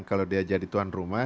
kalau dia jadi tuan rumah